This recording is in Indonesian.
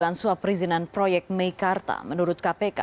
dugaan suap perizinan proyek meikarta menurut kpk